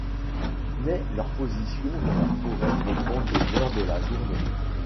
Mais leur position dans la forêt dépend de l'heure de la journée.